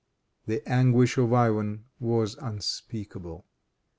The anguish of Ivan was unspeakable.